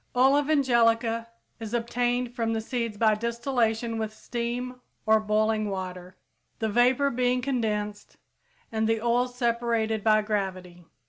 Oil of angelica is obtained from the seeds by distillation with steam or boiling water, the vapor being condensed and the oil separated by gravity.